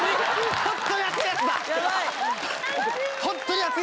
本当に！